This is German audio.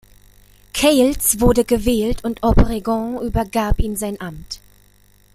Calles wurde gewählt und Obregón übergab ihm sein Amt.